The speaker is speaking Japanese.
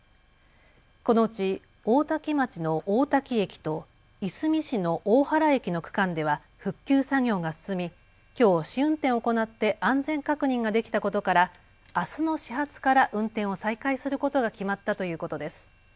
このうち大多喜町の大多喜駅といすみ市の大原駅の区間では復旧作業が進みきょう試運転を行って安全確認ができたことからあすの始発から運転を再開することが決まったということです。